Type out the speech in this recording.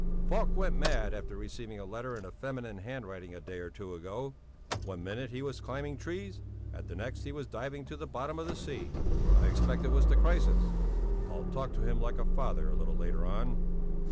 Falk went mad after receiving a letter in a feminine handwriting a day or two ago. One minute he was climbing trees, at the next he was diving to the bottom of the sea. I expect it was the crisis I'll talk to him like a father a little later on.